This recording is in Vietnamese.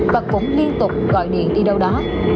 và cũng liên tục gọi điện đi đâu đó